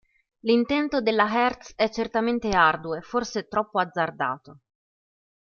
L'intento della Hertz è certamente arduo e forse troppo azzardato.